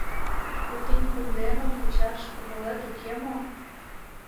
Пӱтынь кундемым кучаш кумылет уке мо?